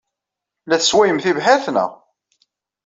La tesswayem tibḥirt, naɣ?